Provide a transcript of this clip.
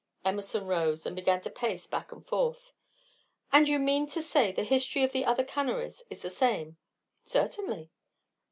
Emerson rose, and began to pace back and forth. "And you mean to say the history of the other canneries is the same?" "Certainly."